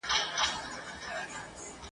ګوندي قبول سي خواست د خوارانو ..